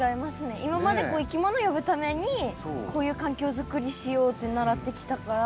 今までいきもの呼ぶためにこういう環境作りしようって習ってきたから。